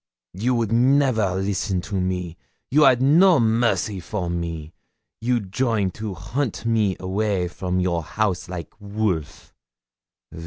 You would never listen to me you 'ad no mercy for me you join to hunt me away from your house like wolf.